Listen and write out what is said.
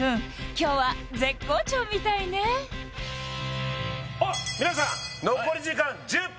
今日は絶好調みたいねあっ皆さん残り時間１０分